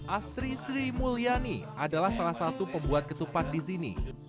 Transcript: astri sri mulyani adalah salah satu pembuat ketupat di sini